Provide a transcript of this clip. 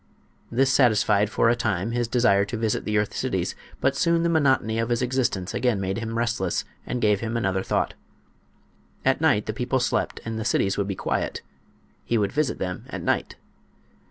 This satisfied for a time his desire to visit the earth cities, but soon the monotony of his existence again made him restless and gave him another thought. At night the people slept and the cities would be quiet. He would visit them at night.